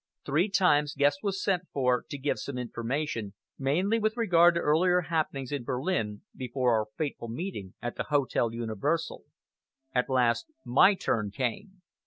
Three times Guest was sent for to give some information, mainly with regard to earlier happenings in Berlin, before our fateful meeting at the Hotel Universal. At last my turn came.